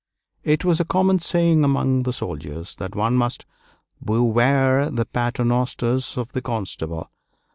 It was a common saying among the soldiers that one must "beware the paternosters of the Constable."